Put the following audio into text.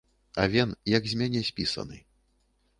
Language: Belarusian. Авен як з мяне спісаны!